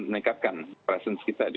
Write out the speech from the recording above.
meningkatkan presence kita di